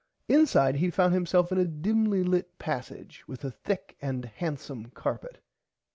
Inside he found himself in a dimly lit passage with a thick and handsom carpet.